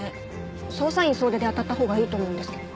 捜査員総出であたったほうがいいと思うんですけど。